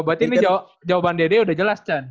oh berarti ini jawaban dede udah jelas chan